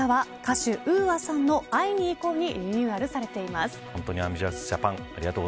２１日からは歌手ＵＡさんの会いに行こうにリニューアルされています。